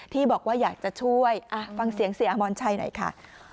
ที่บอกว่าอยากจะช่วยฟังเสียงเสียอมรชัยหน่อยค่ะ